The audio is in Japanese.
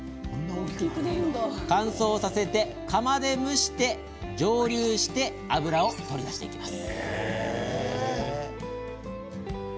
乾燥させて、釜で蒸して蒸留し油を取り出していきます。